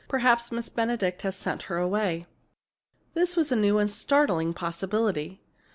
"Perhaps Miss Benedict has sent her away!" This was a new and startling possibility.